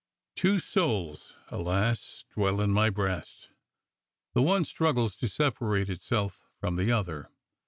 "Two Bonis, alas, dwell in my breast : the one struggles to separata itself from the other.